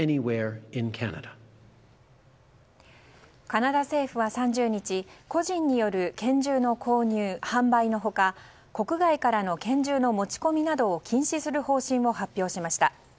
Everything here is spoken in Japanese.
カナダ政府は３０日個人による拳銃の購入販売の他国外からの拳銃の持ち込みなどを禁止する方針を発表しました。